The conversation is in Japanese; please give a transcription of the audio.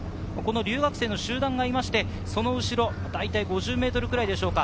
留学生の集団がいて、その後ろ５０ｍくらいでしょうか。